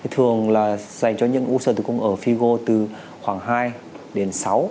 thường là dành cho những u sơ tử cung ở figo từ khoảng hai đến sáu